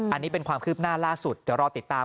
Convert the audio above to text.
อันนี้เป็นความคืบหน้าล่าสุดเดี๋ยวรอติดตาม